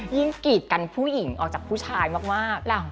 กีดกันผู้หญิงออกจากผู้ชายมาก